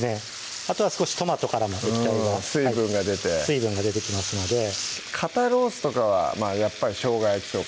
あとは少しトマトからも液体が水分が出てきますので肩ロースとかはまぁやっぱりしょうが焼きとか？